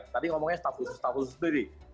tadi ngomongnya staff khusus staf khusus sendiri